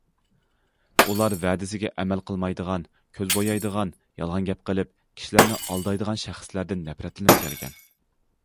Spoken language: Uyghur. ئۇلار ۋەدىسىگە ئەمەل قىلمايدىغان، كۆز بويايدىغان، يالغان گەپ قىلىپ، كىشىلەرنى ئالدايدىغان شەخسلەردىن نەپرەتلىنىپ كەلگەن.